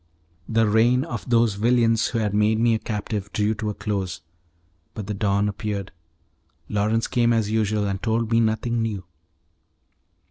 The reign of those villains who had made me a captive drew to a close; but the dawn appeared, Lawrence came as usual, and told me nothing new.